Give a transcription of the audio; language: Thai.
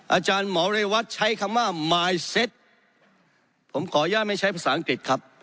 อาจารย์หมอเรวัตใช้คำว่ามายเซ็ตผมขออนุญาตไม่ใช้ภาษาอังกฤษครับ